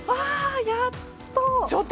やっと。